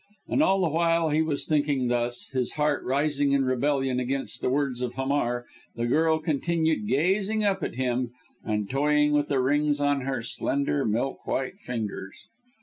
And all the while he was thinking thus, his heart rising in rebellion against the words of Hamar, the girl continued gazing up at him, and toying with the rings on her slender, milk white fingers.